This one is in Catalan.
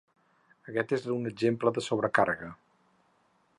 Aquest és un exemple de sobrecàrrega.